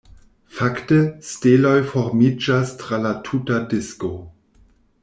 Fakte, steloj formiĝas tra la tuta disko.